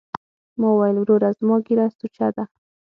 ما وويل وروره زما ږيره سوچه ده.